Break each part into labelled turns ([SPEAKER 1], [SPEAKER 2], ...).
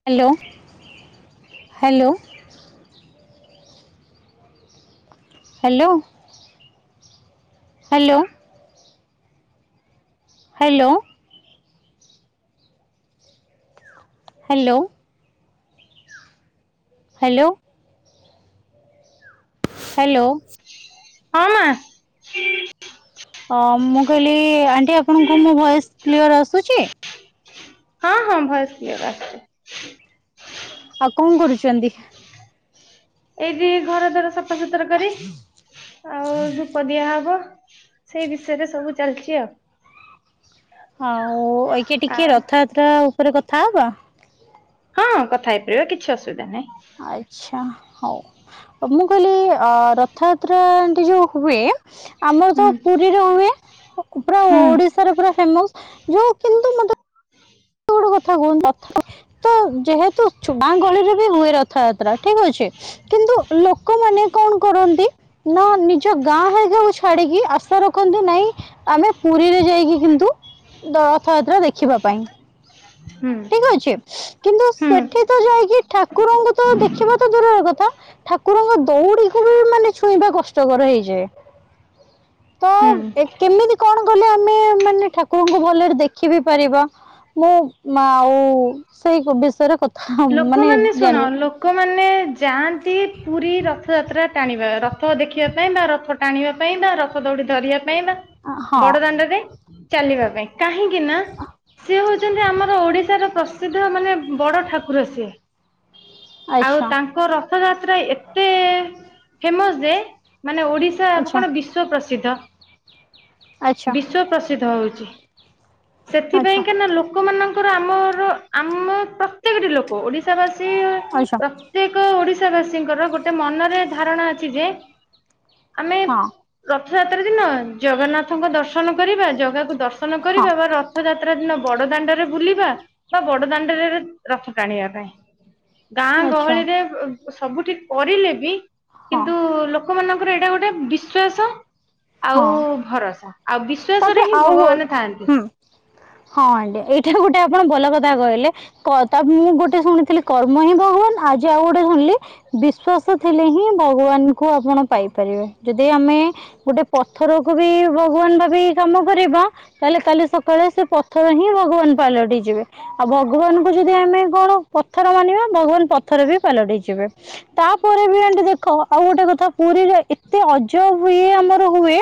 [SPEAKER 1] Hello hello hello hello hello hello hello hello
[SPEAKER 2] ହଁ ମା
[SPEAKER 1] ଅ ମୁଁ କହିଲି ଆଣ୍ଟି ଆପଣଙ୍କୁ ମୋ ଭଏସ କ୍ଳିଅର ଆସୁଛି,
[SPEAKER 2] ହଁ ହଁ ଭୟ
[SPEAKER 1] ଆଉ କଣ କରୁଛନ୍ତି।
[SPEAKER 2] ଏଇ ଯି ଘର ଦାରା ସବୁ ସଫାସତୁର କରି ଆଉ ଧୂପ ଦିଆହବ ସେଇ ବିଷୟରେ ସବୁ ଚାଲିଛି ଆଉ
[SPEAKER 1] ଆଉ ଏକେ ଟିକେ ରଥଯାତ୍ରା ପରେ କଥା ହେବା
[SPEAKER 2] ହଁ କଥା ହେଇପାରିବା କିଛି ଅସୁବିଧା ନାହିଁ।
[SPEAKER 1] ଆଚ୍ଛା ହଉ ମୁଁ କହିଲି ଅ ରଥଯାତ୍ରାଆଣ୍ଟି ଯୋଉ ହୁଏ ଆମର ତ
[SPEAKER 2] ହୁଁ
[SPEAKER 1] ପୁରୀରେ ହୁଏ ପୁରା
[SPEAKER 2] ହୁଁ
[SPEAKER 1] ଓଡିଶାରେ ପୁରା ଫେମସ ଯୋଉ କିନ୍ତୁ ମୋତେ ଗୋଟେ କଥା କୁହନ୍ତୁ ତତ୍ ତତ୍ ତ ଯେହେତୁ ଚୁବାଙ୍ଗ ଗହଳିରେ ବି ହୁଏ ରଥଯାତ୍ରା ଠିକ ଅଛି କିନ୍ତୁ ଲୋକମାନେ କଣ କରନ୍ତି ନା ନିଜ ଗାଁ ହେଗକୁ ଛାଡିକି ଆଶା ରଖନ୍ତି ନାଇଁ ଆମେ ପୁରୀରେ ଯାଇକି କିନ୍ତୁ ରଥଯାତ୍ରା ଦେଖ ଖିବା ପାଇଁ।
[SPEAKER 2] ହୁଁ
[SPEAKER 1] ଠିକ ଅଛି କିନ୍ତୁ
[SPEAKER 2] ହୁଁ
[SPEAKER 1] ସେଠି ତ ଯାଇକି ଠାକୁରଙ୍କୁ ତ ଦେଖିବା ତ ଦୂରର କଥା ଠାକୁରଙ୍କ ଦୌଡି କୁ ବି ମାନେ ଛୁଇଁବା କଷ୍ଟକର ହେଇଯାଏ। ତ
[SPEAKER 2] ହୁଁ।
[SPEAKER 1] ଏ କେମିତି କଣ କଲେ ଆମେ ମାନେ ଠାକୁରଙ୍କୁ ଭଲରେ ଦେଖି ବିି ପାରିବା। ମୁଁ ମା ଆଉ ସେଇ ବିଷୟରେ କ
[SPEAKER 2] ଲୋକମାନେ ଶୁଣ ଲୋକମାନେ ଯାଆନ୍ତି ପୁରୀ ରଥଯାତ୍ରା ଟାଣିବା ରଥ ଦେଖିବା ପାଇଁ ବା ରଥ ଟାଣିବା ପାଇଁ ବା ରଥ ଦୌଡ଼ି ଧରିବା ପାଇଁ ବା
[SPEAKER 1] ହଁ
[SPEAKER 2] ବଡ ଦାଣ୍ଡରେ ଚାଲିବା ପାଇଁ କାହିଁ କିନା ସେ ହୋଉଚନ୍ତି ଆମର ଓଡିଶାର ପ୍ରସି ପ୍ରସିଦ୍ଧ ମାନେ ବଡ ଠା କୁର ସିଏ ଆଉ
[SPEAKER 1] ଆଚ୍ଛା
[SPEAKER 2] ତାଙ୍କ ରଥଯାତ୍ରା ଏତେ ଫେମସ ଯେ ମାନେ ଓଡିଶା
[SPEAKER 1] ଆଚ୍ଛା
[SPEAKER 2] କଣ ବିଶ୍ୱ ପ୍ରସିଦ୍ଧ।
[SPEAKER 1] ଆଚ୍ଛା
[SPEAKER 2] ବିଶ୍ୱ ପ୍ରସ ଦ୍ଧ ହଉଚି ସେଥିପାଇଁ
[SPEAKER 1] ଆଚ୍ଛା
[SPEAKER 2] କେନା ଲୋକମାନଙ୍କ ଧର ଆମର ଆମ ପ ପ୍ରତେକେ ଟି ଲୋକ ଓଡିଶାବାସ ବାସି
[SPEAKER 1] ଆଚ୍ଛା
[SPEAKER 2] ପ୍ରତ୍ୟେକ ଓଡ଼ିଶ ଶା ବାସୀଙ୍କର ଗୋଟେ ମନରେ ଧାରଣା ଅଛି ଯେ ଆମେ
[SPEAKER 1] ହଁ
[SPEAKER 2] ପ୍ର ରଥଯାତ୍ରା ଦିନ ଜଗନ୍ନାଥଙ୍କ ଦର୍ଶନ କରିବା ଜଗା ଦର୍ଶନ
[SPEAKER 1] ହଁ
[SPEAKER 2] କରିବା ବା ରଥଯାତ୍ରା ଦିନ ବଡ ଦାଣ୍ଡରେ ବୁଲିବା ବା ବଡ ଦାଣ୍ଡରେ ରଥ ଟାଣିବା ପାଇଁ। ଗାଁ
[SPEAKER 1] ଆଚ୍ଛା
[SPEAKER 2] ଗହଳିରେ ସବୁଠି କରିଲେ ବି
[SPEAKER 1] ହଁ
[SPEAKER 2] କିନ୍ତୁ ଲୋକମାନଙ୍କ ପରେ ଏଇଟା ଗୋଟେ ବିଶ୍ୱାସ
[SPEAKER 1] ହଁ
[SPEAKER 2] ବିଶ୍ଵାସରେ
[SPEAKER 1] ତାପରେ
[SPEAKER 2] ହିଁ
[SPEAKER 1] ଆଉ
[SPEAKER 2] ଭଗବାନ ଥାଆନ୍ତି
[SPEAKER 1] ହୁଁ ହଁ ଆଣ୍ଟି ଏଇଠାରେ ଗୋଟେ ଆପଣ ଭଲ କଥା କଥା କହିଲେ ତା ମୁଁ ଗୋଟେ ଶୁଣିଥିଲି କର୍ମ ହିଁ ଭଗବାନ ଆଜି ଆଉ ଗୋଟେ ଶୁଣିଲି ବିଶ୍ଵାସ ଥିଲେ ହିଁ ଭଗବାନ କୁ ଆପଣ ପାଇପାରିବେ ଯଦି ଆମେ ଗୋଟେ ପଥରକୁ ବି ଭଗବାନ ଭାବି କାମ କରିବା ତାହେଲେ କାଲି ସକାଳେ ସେ ପଥର ହିଁ ଭଗବାନ ପାଲଟିଇ ଯିବେ ଆଉ ଭଗବାନଙ୍କୁ ଯଦି ଆମେ କଣ ପଥର ମାନିବା ଭଗବାନ ପଥର ବି ପାଲଟିଇ ଯିବେ। ତାପରେ ବି ଆଣ୍ଟି ଦେଖ ଆଉ ଗୋଟେ କଥା ପୁରୀରେ ଏତେ ଅଜବ ହୁଏ ଆମର ହୁଏ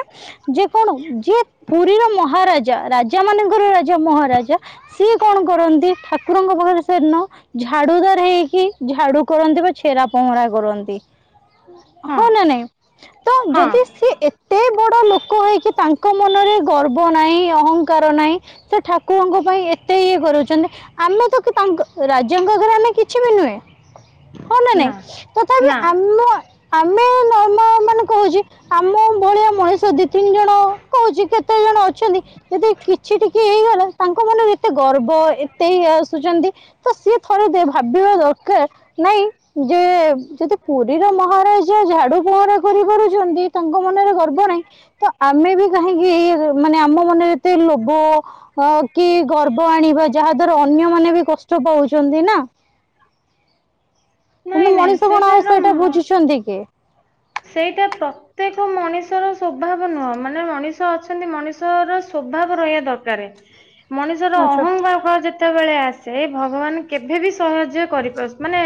[SPEAKER 1] ଯେ କଣ ଯିଏ ପୁରୀର ମହାରାଜା ରାଜା ମାନଙ୍କର ରାଜା ମହାରାଜା ସିଏ କଣ କରନ୍ତି ଠାକୁରଙ୍କ ପାଖରେ ସେଦିନ ଝାଡୁ ଦାର ହେଇକି ଝାଡୁ କରନ୍ତି ବା ଛେରା ପହଁରା କରନ୍ତି। ହଁ ନା ନାଇଁ ତ ଯଦି
[SPEAKER 2] ହଁ
[SPEAKER 1] ସିଏ ଏତେ ବଡ ଲୋକ ହେଇକି ତାଙ୍କ ମନରେ ଗର୍ବ ନାହିଁ ଅହଂଙ୍କାର ନାହିଁ ସେ ଠାକୁରଙ୍କ ପାଇଁ ଏତେ ଇଏ କରୁଛନ୍ତି ଆମେ ତ ତାଙ୍କ ରାଜାଙ୍କ ଆଗରେ ଆମେ କିଛି ବି ନୁହେଁ ହଁ ନା ନାଇଁ ତଥାପି
[SPEAKER 2] ନା
[SPEAKER 1] ଆମ ଆମେ ନନା ମାନେ କହୁଛି ଆମ ମଣିଷ ଦି ତିନି ଜଣ କହୁଚି କେତେ ଜଣ ଅଛନ୍ତି ଯଦି କିଛି ଟିକେ କେଇ ଗଲା ତାଙ୍କ ମନରୁ ଏତେ ଗର୍ବ ଏତେ ଇଏ ଆସୁଚନ୍ତି ତ ସିଏ ଥରେ ଭାବିବା ଦରକାର ନାଇଁ ଯେ ଯଦି ପୁରୀର ମହାରାଜା ଝାଡୁ ପହଁରା କରିପାରୁଚନ୍ତି ତାଙ୍କ ମନରେ ଗର୍ବ ନାହିଁ ତ ଆମେ ବି କାହିଁକି ଇଏ ମାନେ ଆମ ମନରେ ଏତେ ଲୋଭ ଅ କି ଗର୍ବ ଆଣିବା ଯାହା ଦ୍ଵାରା ଅନ୍ୟମାନେ ବି କଷ୍ଟ ପାଉଚନ୍ତି ନା।
[SPEAKER 2] ନାଇଁ
[SPEAKER 1] କିନ୍ତୁ
[SPEAKER 2] ନାଇଁ
[SPEAKER 1] ମଣିଷ କଣ ଆଉ
[SPEAKER 2] ତ
[SPEAKER 1] ସେଇଟା ବୁଝୁଛନ୍ତି କି।
[SPEAKER 2] ସେଇଟା ପ୍ରତ୍ୟେକ ମଣିଷର ସ୍ୱଭାବ ନୁହଁ ମାନେ ମଣିଷ ଅଛନ୍ତି ମଣିଷର ସ୍ଵଭାବ ରହିବା ଦରକାର। ମଣିଷର
[SPEAKER 1] ଆଚ୍ଛା।
[SPEAKER 2] ଅହଙ୍କାର ଯେତ ସେତେବେଳେ ଆସେ ଭଗବାନ କେଭେବି ସହଯ୍ୟ କରିପାରୁ ମାନେ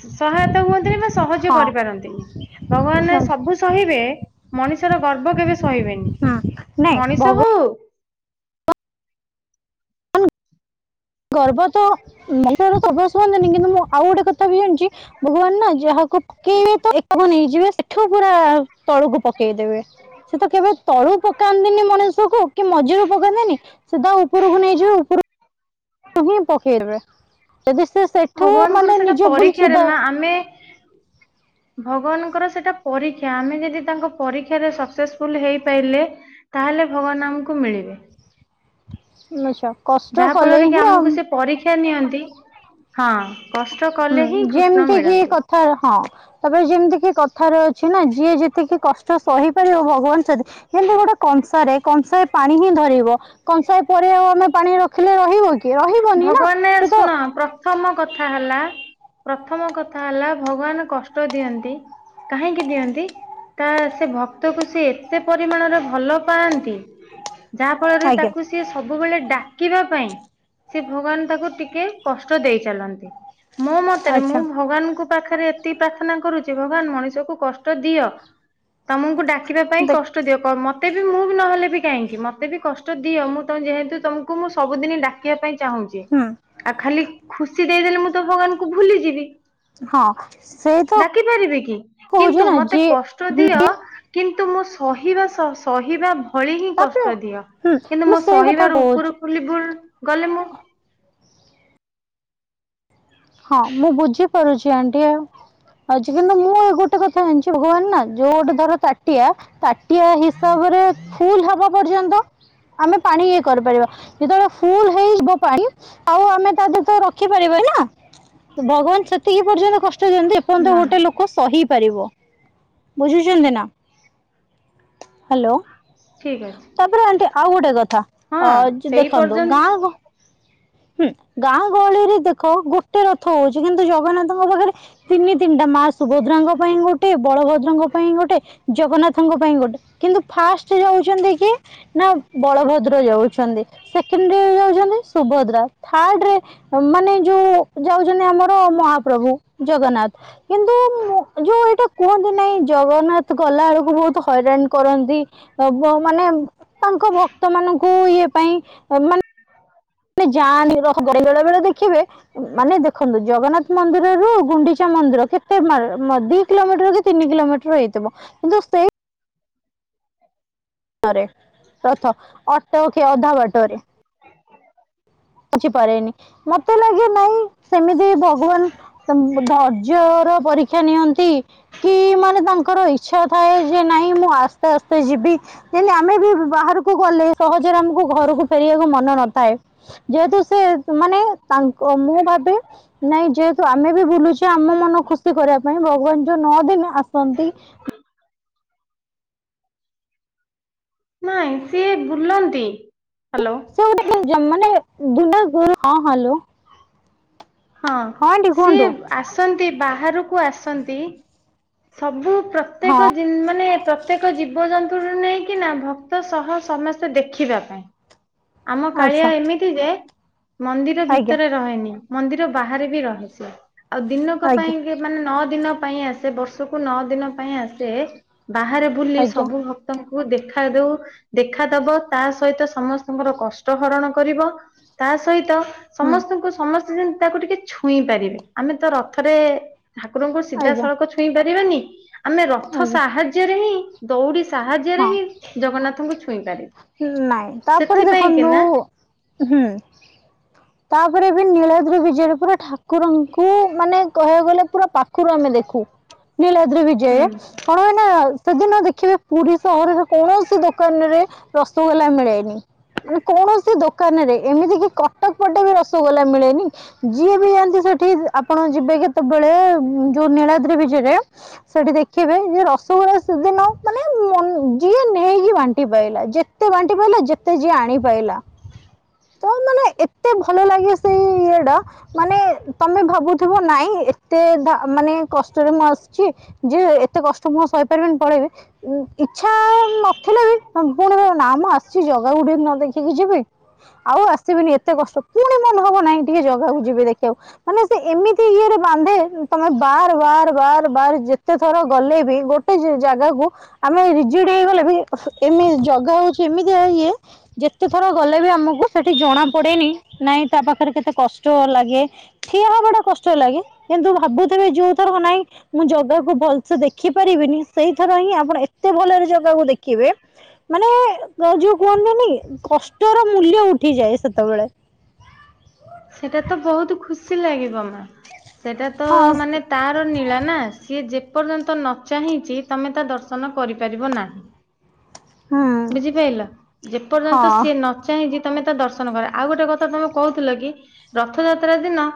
[SPEAKER 2] ସହାୟତା ହୁଅନ୍ତିନି ବା ସହଯ୍ୟ
[SPEAKER 1] ହଁ
[SPEAKER 2] କରିପାରନ୍ତିନି। ଭଗବାନ
[SPEAKER 1] ଆଚ୍ଛା।
[SPEAKER 2] ସବୁ ସହିବେ ମଣିଷର ଗର୍ବ କେବେ ସହିବେନି
[SPEAKER 1] ହୁଁ ନାଇଁ
[SPEAKER 2] ମଣିଷ
[SPEAKER 1] ଭଗବାନ
[SPEAKER 2] ହଉ
[SPEAKER 1] ଗର୍ବ [unintelligible] କିନ୍ତୁ ମୁଁ ଆଉ ଗୋଟେ କଥା ବି ଜାଣିଛି ଭଗବାନ ନା ଯାହା ପକେଇ ତ [unintelligible] ନେଇଯିବେ ଏଠୁ ପୁରା ତଳକୁ ପଶ ପେଇଦେବେ ସେ ତ କେବେ ତଳୁ ପକାନ୍ତିନି ମଣିଷକୁ କି ମଝିରୁ ପକାନ୍ତିନି ସିଧା ଉପରକୁ ନେଇଯିବେ ଉପରୁ ତୁ ହିଁ ପକେଇବେ ଯଦି ସେ ସେଠୁ
[SPEAKER 2] ଭଗବାନଙ୍କର
[SPEAKER 1] ମାନେ
[SPEAKER 2] ସେଟା
[SPEAKER 1] ନିଜ ଭୁଲ
[SPEAKER 2] ପରୀକ୍ଷାରେ
[SPEAKER 1] ସୁଧା
[SPEAKER 2] ମା ଆମେ ଭଗବାନଙ୍କର ସେଟା ପରୀକ୍ଷା ଆମେ ଯଦି ତାଙ୍କ ପରୀକ୍ଷାରେ ସକ୍ସେସଫୁଲ ହେଇପାରିଲେ ତାହେଲେ ଭଗବାନ ଆମକୁ ମିଳିବେ।
[SPEAKER 1] ଆଛା। କଷ୍ଟ କଲେ ହିଁ ଆଉ
[SPEAKER 2] କ୍ଷା ନିଅନ୍ତି ହଁ। କଷ୍ଟ
[SPEAKER 1] ହୁଁ
[SPEAKER 2] କଲେ ହିଁ କୃଷ୍ଣ
[SPEAKER 1] ଯେମିତି କି
[SPEAKER 2] ମିଳନ୍ତି
[SPEAKER 1] କଥା ହଁ ତାପରେ ଯେମିତି କଥ କଥା ରେ ଅଛି ନା ଯିଏ ଯେତିକି କଷ୍ଟ ସହିପାରିବ ଭଗବାନ ସେତ କିନ୍ତୁ ଗୋଟେ କଂସାରେ କଂସାରେ ପାଣି ହିଁ ଧରିବ କଂସାଏ ପରିବାଲା ଆମେ ପାଣି ରଖିଲେ ଧରିବ କି? କିଏ ରହିବନି ନା
[SPEAKER 2] ଭଗବାନ
[SPEAKER 1] ସେ ତ
[SPEAKER 2] ଶୁଣ ପ୍ରଥମ କଥା ହେଲା ପ୍ରଥମ କଥା ହେଲା ଭଗବାନ କଷ୍ଟ ଦିଅନ୍ତି କାହିଁକି ଦିଅନ୍ତି ତା ସେ ଭକ୍ତକୁ ସେ ଏତେ ପରିମାଣରେ ଭଲ ପାଆନ୍ତି। ଯାହା ଫଳରେ
[SPEAKER 1] ଆଜ୍ଞା
[SPEAKER 2] ତାକୁ ସିଏ ସବୁବେଳେ ଡାକିବା ପାଇଁ ସେ ଭଗବାନ ତାକୁ ଟିକେ କଷ୍ଟ ଦେଇ ଚାଲନ୍ତି। ମୋ ମତରେ ମୁଁ
[SPEAKER 1] ଆଚ୍ଛା
[SPEAKER 2] ଭଗବାନଙ୍କୁ ପାଖରେ ଏତିକି ପ୍ରାର୍ଥନା କରୁଛି ଭଗବାନ ମଣିଷକୁ କଷ୍ଟ ଦିଅ। ତମକୁ ଡାକିବା ପାଇଁ
[SPEAKER 1] ଦେଖ
[SPEAKER 2] କଷ୍ଟ ଦିଅ କଣ ମତେ ତତେ ବି ମୁଁ ବି ନହଲେ ବି କାହିଁକି ମୋତେ ବି କଷ୍ଟ ଦିଅ ମୁଁ ତ ଯେହେତୁ ତୁମକୁ ମୁଁ ସବୁଦିନ ଡାକୁ ବା ପାଇଁ ଚାହୁଁଛି
[SPEAKER 1] ହୁଁ
[SPEAKER 2] ଆଉ ଖାଲି ଖୁସି ଦେଇଦେଲେ ମୁଁ ଚା ତ ଭଗବାନଙ୍କୁ ଭୁଲିଯିବି।
[SPEAKER 1] ହଁ ସେଇ ତ
[SPEAKER 2] ଡାକି ପାରିବି କି କିନ୍ତୁ
[SPEAKER 1] କହୁଛି ନା
[SPEAKER 2] ମତେ
[SPEAKER 1] ଯିଏ
[SPEAKER 2] କଷ୍ଟ
[SPEAKER 1] ହୁଁ
[SPEAKER 2] ଦିଅ କିନ୍ତୁ ତୁ ମୁଁ ସହିବା ସହିବା ଭଳି ହିଁ
[SPEAKER 1] ତାପରେ
[SPEAKER 2] କଷ୍ଟ ଦିଅ
[SPEAKER 1] ହୁଁ
[SPEAKER 2] କିନ୍ତୁ ମୋ
[SPEAKER 1] ମୁଁ ସେଇ କଥା
[SPEAKER 2] ସହିବାର ଉପର
[SPEAKER 1] କହୁଛି
[SPEAKER 2] ବୋଲି କଣ? ନହେଲେ ମୁଁ [inaudible]
[SPEAKER 1] ହଁ ମୁଁ ବୁଝିପାରୁଛି ଆଣ୍ଟି କିନ୍ତୁ ମୁଁ ଏ ଗୋଟେ କଥା ଜାଣିଛି ଭଗବାନ ନା ଯୋଉ ଗୋଟେ ଧର ତାଟିଆ ତାଟିଆ ହିସାବରେ ଫୁଲ ହବା ପର୍ଯ୍ୟନ୍ତ ଆମେ ପାଣି କରିପାରିବା ଯେତେବେଳେ ଫୁଲ ହେଇଯିବ ପାଣି ଆଉ ଆମେ ତା ଦେହରେ ତ ରଖିପାରିବା ନି ନା। ଭଗବାନ ସେତିକି ପର୍ଯ୍ୟନ୍ତ କଷ୍ଟ ଦିଅନ୍ତି ଯେ ପର୍ଯ୍ୟନ୍ତ
[SPEAKER 2] ନା
[SPEAKER 1] ଗୋଟେ ଲୋକ ସହି ବୁଝିପାରିବ ବୁଝୁଚନ୍ତି ନା [inaudible] ହାଲୋ।
[SPEAKER 2] ଠିକ ଅଛି।
[SPEAKER 1] ତାପରେ ଆଣ୍ଟି ଆଉ ଗୋଟେ କଥା
[SPEAKER 2] ହଁ
[SPEAKER 1] ଅ
[SPEAKER 2] ସେଇ
[SPEAKER 1] ଦେଖନ୍ତୁ
[SPEAKER 2] ପର୍ଯ୍ୟନ୍ତ
[SPEAKER 1] ଗାଁକୁ ହୁଁ ଗାଁ ଗହଳିରେ ଦେଖ ଗୋ ଗୋଟେ ରଥ ହଉଛି କିନ୍ତୁ ଜଗନ୍ନାଥଙ୍କ ପାଖରେ ତିନି ତିନିଟା ମା ସୁଭଦ୍ରାଙ୍କ ପାଇଁ ଗୋଟେ ବଳଭଦ୍ରଙ୍କ ପାଇଁ ଗୋଟେ ଜଗନ୍ନାଥଙ୍କ ପାଇଁ ଗୋଟେ କିନ୍ତୁ ଫାଷ୍ଟ ଯାଉଛନ୍ତି କିଏ ନା ବଳଭଦ୍ର ଯାଉ ଛନ୍ତି ସେକେଣ୍ଡରେ ଯାଉଛନ୍ତି ସୁଭଦ୍ରା ଥାର୍ଡ ରେ ମାନେ ଯୋଉ ଯାଉଛନ୍ତି ଆମର ମହାପ୍ରଭୁ ଜଗନ୍ନାଥ କିନ୍ତୁ ଯୋଉ ଏଇଟା କୁହନ୍ତି ନାହିଁ ଜଗନ୍ନାଥ ଗଲା ବେଳକୁ ବହୁତ ହଇରାଣ କରନ୍ତି ମାନେ ତାଙ୍କ ଭକ୍ତ ମାନଙ୍କୁ ଇଏ ପାଇଁ ମାନେ ମାନେ ଯାଆନି ରହ ବେଳେ ବେଳେ ଦେଖିବେ ମାନେ ଦେଖନ୍ତୁ ଜଗନ୍ନାଥ ମନ୍ଦିରରୁ ଗୁଣ୍ଡିଚା ମନ୍ଦିର କେତେ ମା- ମ- ଦି କିଲୋମିଟର କି ତିନି କିଲୋମିଟର ହେଇଥିବ କିନ୍ତୁ
[SPEAKER 2] [inaudible]
[SPEAKER 1] ରଥରେ ଅଟକେ ଅଧା ବାଟରେ। ନି ମତେ ଲାଗେ ନାଇଁ ସେମିତି ଭଗବାନ ଧୈର୍ଯ୍ୟ ର ପରୀକ୍ଷା ନିଅନ୍ତି କି ମାନେ ତାଙ୍କର ଇଚ୍ଛା ଥାଏ ଯେ ନାଇଁ ମୁଁ ଆସ୍ତେ ଆସ୍ତେ ଯିବି ଯେମତି ଆମେ ବି ବାହାରକୁ ଗଲେ ସହଜରେ ଆମକୁ ଘରକୁ ଫେରିବାକୁ ମନ ନଥାଏ। ଯେହେତୁ ସେ ମାନେ ତାଙ୍କ ମୁଁ ଭାବେ ନାଇଁ ଯେହେତୁ ଆମେ ବି ବୁଲୁଛେ ଆମ ମନ ଖୁସି କରିବା ପାଇଁ ଭଗବାନ ଯୋଉ ନଅ ଦିନ ଆସନ୍ତି।
[SPEAKER 2] ନାଇଁ ସିଏ ବୁଲନ୍ତି। ହ୍ୟାଲୋ
[SPEAKER 1] ସେ ଗୋଟେ ମାନେ ଦଲ ଗରୁ ହଁ ହ୍ୟାଲୋ।
[SPEAKER 2] ହଁ
[SPEAKER 1] ଆଣ୍ଟି
[SPEAKER 2] ସିଏ
[SPEAKER 1] କୁହନ୍ତୁ
[SPEAKER 2] ଆସନ୍ତି ବାହାରୁ। କୁ ଆସନ୍ତି ସବୁ।
[SPEAKER 1] ହଁ
[SPEAKER 2] ପ୍ରତ୍ୟେକ ମାନେ ପ୍ରତ୍ୟେକ ଜୀବଜନ୍ତୁ। ରୁ ନେଇକି ନା ଭକ୍ତ ସହ ସମସ୍ତେ ଦେଖିବା ପାଇଁ। ଆମ
[SPEAKER 1] ଆଚ୍ଛା
[SPEAKER 2] କାଳିଆ ଏମିତି ଯେ ମନ୍ଦିର
[SPEAKER 1] ଆଜ୍ଞା
[SPEAKER 2] ଭିତରେ ରହେନି। ମନ୍ଦିର ବାହାରେ ବି ରହେ। ଆଉ ଦିନକ
[SPEAKER 1] ଆଜ୍ଞା
[SPEAKER 2] ପାଇଁ ମାନେ ନଅ ଦିନ। ପାଇଁ ଆସେ ବର୍ଷକୁ ନଅ ଦିନ ପାଇଁ ଆସେ। ବାହାରେ ବୁଲି
[SPEAKER 1] ଆଜ୍ଞା
[SPEAKER 2] ସବୁ ଭକ୍ତଙ୍କୁ। କୁ ଦେଖା ଦଉ ଦେଖାଦବ ତା ସହିତ ସମସ୍ତଙ୍କର କଷ୍ଟ ହରଣ କରିବ ତା ସହିତ
[SPEAKER 1] ହୁଁ
[SPEAKER 2] ସମସ୍ତଙ୍କୁ ସମସ୍ତ ତାକୁ ଟିକେ ଛୁଇଁ ପାରିବେ ଆମେ ତ ରଥରେ ଠାକୁରଙ୍କୁ
[SPEAKER 1] ଆଜ୍ଞା
[SPEAKER 2] ସିଧାସଳଖ ଛୁଇଁବା। ଦେଖୀବାନି ଆମେ ରଥ
[SPEAKER 1] ଆଜ୍ଞା
[SPEAKER 2] ସାହାଯ୍ୟରେ ହିଁ ଦୌଡ଼ି ସାହାଯ୍ୟରେ
[SPEAKER 1] ହଁ
[SPEAKER 2] ହିଁ ଜଗନ୍ନାଥଙ୍କୁ ଛୁଇଁ ପାରିବୁ
[SPEAKER 1] ନାଇଁ ତାପରେ
[SPEAKER 2] ସେଥିପାଇଁ କି
[SPEAKER 1] ଦେଖନ୍ତୁ
[SPEAKER 2] ନା
[SPEAKER 1] ହୁଁ ତାପରେ ନୀଳଦ୍ରି ବିଜୟରେ ପୁରା ଠାକୁରଙ୍କୁ ମାନେ କହିବାକୁ ଗଲେ। ପୁରା ପାଖରୁ ଆମେ ଦେଖୁ ନୀଳାଦ୍ରି ବିଜୟ
[SPEAKER 2] ହୁଁ
[SPEAKER 1] କଣ ହୁଏ ନା। ସେଦିନ ଦେଖିବେ ପୁରୀ ସହରରେ କୌଣସି ଦୋକାନରେ ରସଗୋଲା ମିଳେନି ମାନ କୌଣସି ଦୋକାନରେ ଏମିତି କି କଟକ ପଟେ ବି ରସଗୋଲା ମିଳେନି ଯିଏ ବି ଯାଆନ୍ତି ସେଠି ଆପଣ ଯିବେ କେତେବେଳେ ଯୋଉ ନୀଳାଦ୍ରି ବିଜେରେ ସେଠି ଦେଖିବେ ଯେ ରସଗୋଲା ସେଦିନ ମାନେ ଯିଏ ନେଇକି ବାଣ୍ଟି ପାଇଲା ଯେ ତେ ବାଣ୍ଟି ପାଇଲା ଯେତେ ଯିଏ ଆଣିପାଇଲା ତ ମାନେ ଏତେ ଭଲ ଲାଗେ ସେଇ ଇଏ ଟା ମାନେ ତମେ ଭାବୁଥିବ ନାଇଁ ଏତେ ମାନେ କଷ୍ଟରେ ମୁଁ ଆସିଛି ଯେ ଏତେ କଷ୍ଟ ମୁଁ ସହିପାରିବିନି ପଳେଇବି ଇଚ୍ଛା ନଥିଲେ ବି। ନା ମୁଁ ଆସିଛି ଜଗାକୁ ଟିକେ ନ ଦେଖିକି ଯିବି ଆଉ ଆସିବିନି ଏତେ କଷ୍ଟ ପୁଣି ମନେ ହବ ନାଇଁ ଟିକେ ଜଗାକୁ ଯିବେ ଦେଖିବାକୁ ମାନେ। ଏମିତି ଇଏରେ। ବାନ୍ଧେ ତମେ ବାର ବାର ବାର ବାର ଯେତେ ଥର ଗଲେ ବି ଗୋଟେ ଜାଗା ଜାଗାକୁ ଆମେ ରିଜିଡ ହେଇଗଲେ ବି ଏମିତି ଜଗା ହ ସେମିତି ଇଏ ଯେତେ ଥର ଗଲେ ବି ଆମକୁ ସେଠି ଜଣା ପଡେନି ନାଇଁ ତା ପାଖରେ କେତେ କଷ୍ଟ ଲାଗେ ଠିଆ ହବା ଟା କଷ୍ଟ ଲାଗେ କିନ୍ତୁ ଭାବୁଥିବେ ଯୋଉ ଥର ନାଇଁ ମୁଁ ଜଗାକୁ ଭଲସେ ଦେଖିପାରିବିନି ସେଇଥର ହିଁ ଆପଣ ଏତେ ଭଲରେ ଜାଗାକୁ ଦେଖିବେ ମାନେ। ଗ ଯୋଉ କୁହନ୍ତିନି କି କଷ୍ଟର ମୂଲ୍ୟ ଉଠିଯାଏ ସେତେବେଳେ।
[SPEAKER 2] ସେଟା ତ ବହୁତ ଖୁସି। ସି ଲାଗିବ ମା ସେଟା ତ
[SPEAKER 1] ହଁ
[SPEAKER 2] ମାନେ ତାର ନୀଳା ନା ସିଏ ଯେ ଯେ ପର୍ଯ୍ୟନ୍ତ ନ ଚାହିଁଚି ତମେ ତା ଦର୍ଶନ କରିପାରିବ ନାହିଁ।
[SPEAKER 1] ହୁଁ
[SPEAKER 2] ବୁଝିପାଇଲ ଯେପର୍ଯ୍ୟନ୍ତ
[SPEAKER 1] ହଁ
[SPEAKER 2] ସିଏ ନ ଚାହିଁଚି ତମେ ତ ଦର୍ଶନ କର ଆଉ ଗୋଟେ କଥା ତମେ କହୁଥିଲ କି? ରଥଯାତ୍ରା ଦିନ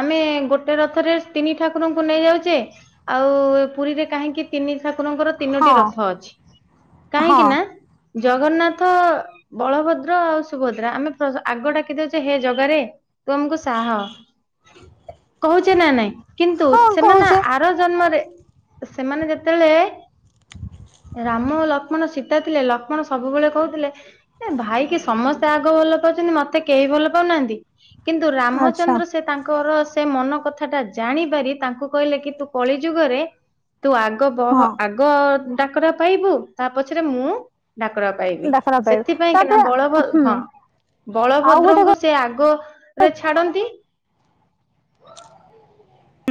[SPEAKER 2] ଆମେ ଗୋଟେ ରଥରେ ତିନି ଠାକୁରଙ୍କୁ ନେଇ ଯାଉଛେ ଆଉ ପୁରୀରେ କାହିଁକି ତିନି ଠାକୁରଙ୍କର ତିନୋଟି
[SPEAKER 1] ହଁ
[SPEAKER 2] ରଥ ଅଛି
[SPEAKER 1] ହଁ
[SPEAKER 2] କାହିଁକି ନା ଜଗନ୍ନାଥ ବଳଭଦ୍ର ଆଉ ସୁଭଦ୍ରା ଆମେ ପ୍ର ଆଗ ଡାକିଦଉଛେ ହେ ଜଗାରେ ତୁ ଆମକୁ ସାହା ହଅ। ହ [inaudible] କହୁଛେ ନା ନାଇଁ? କିନ୍ତୁ
[SPEAKER 1] ହଁ
[SPEAKER 2] ସେମାନେ
[SPEAKER 1] କହୁଛେ
[SPEAKER 2] ଆର ଜନ୍ମରେ ସେମାନେ ଯେତେବେଳେ ରାମ ଲକ୍ଷ୍ମଣ ସୀତା ଥିଲେ ଲକ୍ଷ୍ମଣ ସବୁବେଳେ କହୁଥିଲେ ଭାଇକି ସମସ୍ତେ ଆଗ ଭଲ ପାଉଛନ୍ତି ମତେ କେହି ଭଲ ପାଉନାହାନ୍ତି। କିନ୍ତୁ
[SPEAKER 1] ଆଚ୍ଛା
[SPEAKER 2] ରାମଚନ୍ଦ୍ର ସେ ତାଙ୍କର ସେ ମନ କଥାଟା ଜାଣି ପାରି ତାଙ୍କୁ କହିଲେ କି ତୁ କଳି ଯୁଗରେ ତୁ ଆଗ ବହ
[SPEAKER 1] ହଁ
[SPEAKER 2] ଆଗ ଡାକରା ପାଇବୁ ତା ପଛରେ ମୁଁ ଡାକରା ପାଇବି,
[SPEAKER 1] ଡାକରା ପାଇବେ
[SPEAKER 2] ସେଥିପାଇଁକିନା
[SPEAKER 1] ତାପରେ
[SPEAKER 2] ବଳଭ
[SPEAKER 1] ହୁଁ
[SPEAKER 2] ହଁ
[SPEAKER 1] ଆଉ ଗୋଟେ
[SPEAKER 2] ବଳଭଦ୍ରଙ୍କୁ
[SPEAKER 1] କ
[SPEAKER 2] ସେ ଆଗ ରେ ଛାଡ଼ନ୍ତି।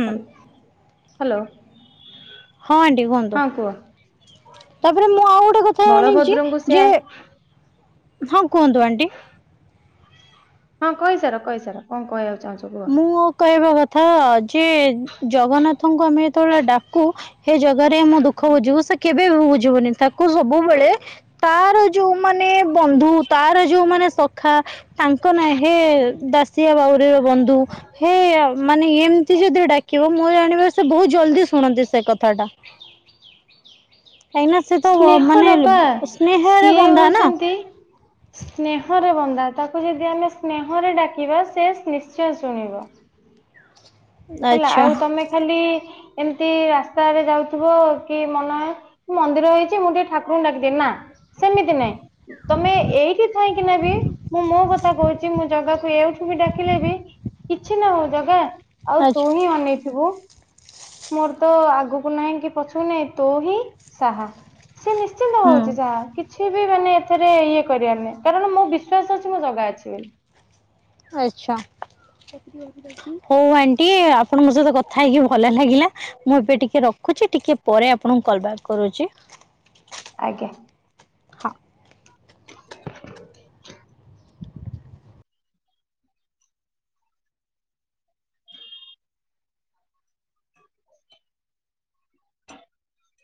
[SPEAKER 2] ହାଲ୍ ହ୍ୟାଲୋ
[SPEAKER 1] ହଁ ଆଣ୍ଟି କୁହନ୍ତୁ,
[SPEAKER 2] ହଁ କୁହ।
[SPEAKER 1] ତାପରେ ମୁଁ ଆଉ ଗୋଟେ କଥା ଜଣିଛି
[SPEAKER 2] ବଳଭଦ୍ରଙ୍କୁ ସେ
[SPEAKER 1] ଯେ ହଁ କୁହନ୍ତୁ ଆଣ୍ଟି।
[SPEAKER 2] ହଁ କହି ସାର କହି ସାର କଣ କହିବାର୍
[SPEAKER 1] ମୁଁ କହିବା କଥା ଯେ ଜଗନ୍ନାଥଙ୍କୁ ଆମେ ଯେତେବେଳେ ଡାକୁ ହେ ଜଗ୍ ଗାରେ ମୁଁ ଦୁଃଖ ବୁଝିବୁ ସେ କେବେ ବି ବୁଝ୍ ବୁଝିବନୁ ତାକୁ ସବୁବେଳେ ତାର ଯୋଉ ମାନେ ବନ୍ଧୁ ତାର ଯୋଉମାନେ ସଖା ତାଙ୍କ ନାଁ ହେ ଦାସ୍ ସିଆ ବାଉରି ବନ୍ଧୁ ହେ ମାନେ ଏମତି ଯଦି ଡାକିବ ମୁ ଜାଣିବାରେ ସେ ବହୁତ ଜଲଦି ଶୁ ଶୁଣନ୍ତି ସେ କଥାଟା। କାହିଁକିନା ସେ ତ ମାନେ
[SPEAKER 2] ସ୍ନେହର ପା,
[SPEAKER 1] ସ୍ନେହରେ
[SPEAKER 2] ସିଏ
[SPEAKER 1] ବନ୍ଧା ନା
[SPEAKER 2] ହଉଛନ୍ତି ସ୍ନେହର ବନ୍ଧୁ। [inaudible] ତାକୁ ଯଦି ଆମେ ସ୍ନେହରେ ଡାକିବା ସେ ନିଶ୍ଚୟ ଶୁଣିବ। ହେଲା
[SPEAKER 1] ଆଚ୍ଛା
[SPEAKER 2] ଆଉ ତମେ ଖାଲି ଏମିତି ରାସ୍ତାରେ ଯାଉଥିବ, କି ମନେ ହ ମନ୍ଦିର ହେଇଛି ମୁଁ ଟିକେ ଠାକୁରଙ୍କୁ ଡାକିି ଦିଏ। ନା ସେମିତି ନାଇଁ। ତମେ ଏଇଠି ଥାଇଁ ଥିଲେ ବି ମୁଁ ମୋ କଥା କହୁଛି, ମୁଁ ଜଗାକୁ ଏଠୁ ବି ଡାକିଲେ ବି କିଛି ନା ହଉ ଜଗା ଆଉ ତୁ
[SPEAKER 1] ଆଚ୍ଛା
[SPEAKER 2] ହିଁ ଅନେଇଥିବୁ। ମୋର ତ ଆଗକୁ ନାହିଁ କି ପଛକୁ ନାହିଁ। ତୁ ହିଁ ସାହା। ସେ ନିଶ୍ଚିନ୍ତ
[SPEAKER 1] ହୁଁ
[SPEAKER 2] ହଉଛି ସାହା କିଛି ମାନେ ଏଥିରେ ଇଏ କରିଆର ନାଇଁ। କାରଣ ମୋ ବିଶ୍ୱାସ ଅଛି ମୋ ଜଗା ଅଛି ବୋଲି।
[SPEAKER 1] ଆଛା ହଉ ଆଣ୍ଟି, ଆପଣଙ୍କ ସହିତ କଥା ହେଇକି ଭଲ ଲାଗିଲା। ମୁଁ ଏବେ ଟିକେ ରଖୁଛି ଟିକେ ପରେ ଆପଣଙ୍କୁ କଲ ବ୍ୟାକ୍ କରୁଛି।
[SPEAKER 2] ଆଜ୍ଞା
[SPEAKER 1] ହଁ